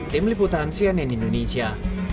tim liputan sianen indonesia